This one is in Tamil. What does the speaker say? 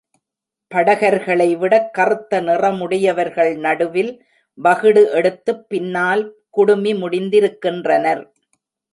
படகர்களைவிடக் கறுத்த நிறமுடைவர்கள் நடுவில் வகிடு எடுத்துப் பின்னால் குடுமி முடிந்திருக்கின்றனர்.